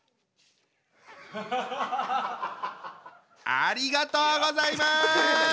ありがとうございます。